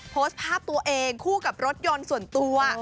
โพสต์ภาพตัวเองคู่กับรถยนต์ส่วนตัว